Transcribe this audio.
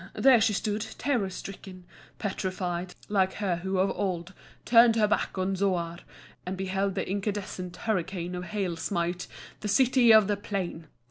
There she stood, terror stricken, petrified, like her who of old turned her back on Zoar and beheld the incandescent hurricane of hail smite the City of the Plain!